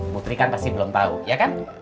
putri kan pasti belum tahu ya kan